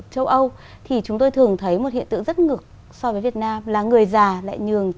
châu âu thì chúng tôi thường thấy một hiện tượng rất ngực so với việt nam là người già lại nhường